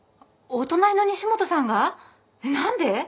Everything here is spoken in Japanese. お隣の西本さんが？何で？